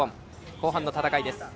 後半の戦いです。